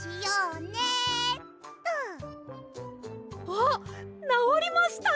あっなおりました！